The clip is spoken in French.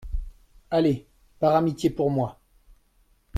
Allez, par amitié pour moi.